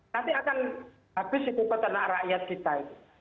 nanti akan habis itu peternak rakyat kita itu